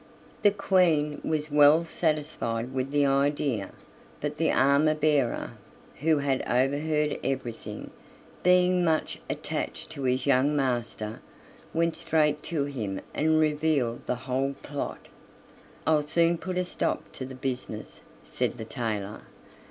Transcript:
The Queen was well satisfied with the idea, but the armor bearer, who had overheard everything, being much attached to his young master, went straight to him and revealed the whole plot. "I'll soon put a stop to the business," said the tailor.